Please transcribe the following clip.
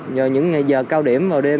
nhờ những giờ cao điểm vào đêm